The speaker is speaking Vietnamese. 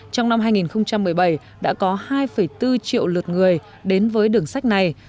trong năm hai nghìn một mươi bảy đã có hai bốn triệu lượt người đến với đường sách này